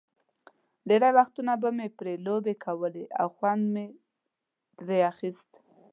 ډېری وختونه به مې پرې لوبې کولې او خوند مې ترې اخیست.